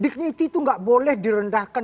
dignity itu nggak boleh direndahkan